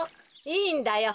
いいんだよ。